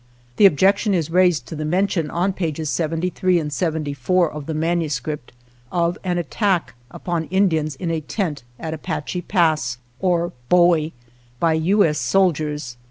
The objection is raised to the mention on pages seventy three and seventy four of the manuscript of an attack upon Indians in a tent at Apache Pass or Bowie, by U. S. soldiers.